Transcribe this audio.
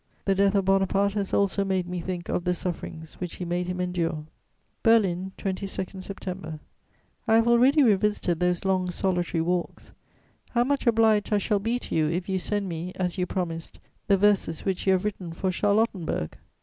The death of Bonaparte has also made me think of the sufferings which he made him endure." "BERLIN, 22 September. "I have already revisited those long, solitary walks. How much obliged I shall be to you if you send me, as you promised, the verses which you have written for Charlottenburg!